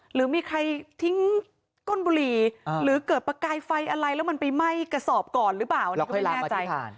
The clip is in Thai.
หรือมีใครทิ้งก้นบุหรี่หรือเกิดประกายไฟอะไรแล้วมันไปไหม้กระสอบก่อนหรือเปล่าอันนี้ก็ไม่แน่ใจ